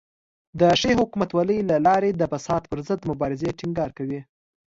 د ښې حکومتولۍ له لارې د فساد پر ضد مبارزې ټینګار کوي.